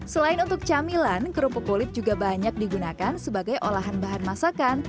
selain untuk camilan kerupuk kulit juga banyak digunakan sebagai olahan bahan masakan